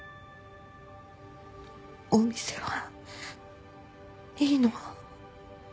お店は？いいの？